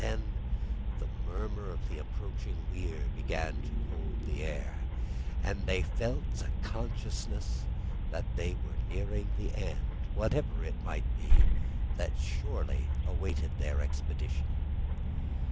Then the murmur of the approaching weir began to hold the air, and they felt a consciousness that they were nearing the end, whatever it might be, that surely awaited their expedition.